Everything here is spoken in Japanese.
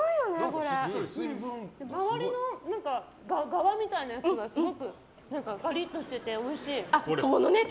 周りの側みたいなやつはすごいガリッとしててうれしい。